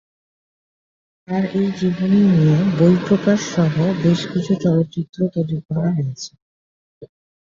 তার এই জীবনী নিয়ে বই প্রকাশ সহ বেশ কিছু চলচ্চিত্র তৈরি করা হয়েছে।